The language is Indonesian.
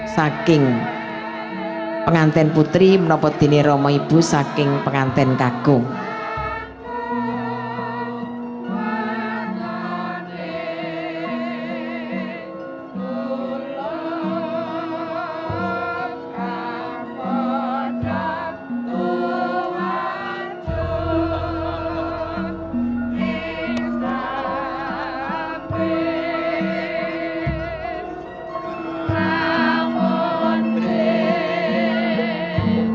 saking pengantin putri menopot dini romo ibu saking pengantin kagung